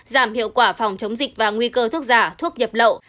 giảm hiệu quả phòng chống dịch và nguy cơ thuốc giả thuốc nhập lậu